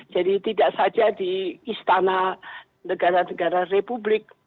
jadi tidak saja di istana negara negara republik